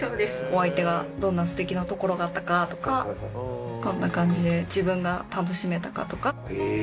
お相手がどんなすてきなところがあったかとかこんな感じで自分が楽しめたかとか。